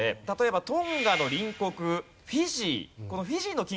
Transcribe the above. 例えばトンガの隣国フィジー。